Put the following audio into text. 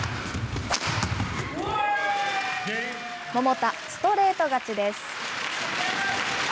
桃田、ストレート勝ちです。